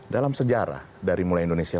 dalam sejarah dari mulai indonesia